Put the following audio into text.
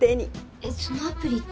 えっそのアプリって。